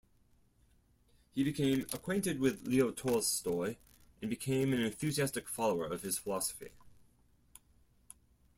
He became acquainted with Leo Tolstoy and became an enthusiastic follower of his philosophy.